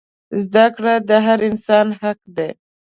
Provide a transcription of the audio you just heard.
زده کړه د هر انسان حق دی.